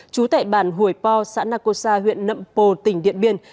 trú tại bản hủy po xã nạc cô sa huyện nậm pồ tỉnh điện biên